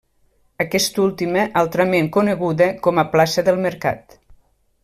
Aquesta última altrament coneguda com a plaça del Mercat.